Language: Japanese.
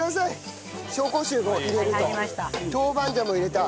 豆板醤も入れた。